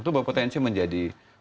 itu berpotensi menjadi